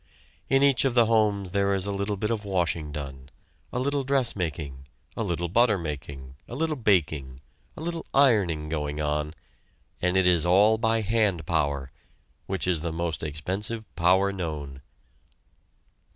In each of the homes there is a little bit of washing done, a little dressmaking, a little butter making, a little baking, a little ironing going on, and it is all by hand power, which is the most expensive power known.